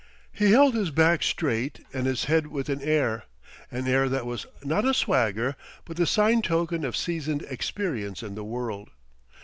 He held his back straight and his head with an air an air that was not a swagger but the sign token of seasoned experience in the world.